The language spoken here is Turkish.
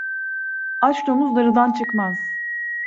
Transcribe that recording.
Aç domuz darıdan çıkmaz.